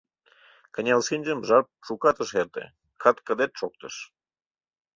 Кынел шинчым, жап шукат ыш эрте, кыт-кыдет! шоктыш.